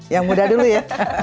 yang muda dulu ya